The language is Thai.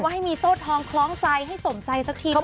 ว่าให้มีโซ่ท้องคล้องใจให้สมใจสักทีเถอะนะ